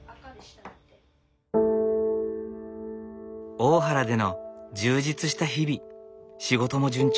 大原での充実した日々仕事も順調。